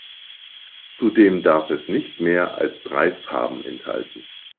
Zudem darf es nicht mehr als drei Farben enthalten.